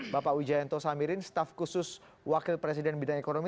bapak wijayanto samirin staf khusus wakil presiden bidang ekonomi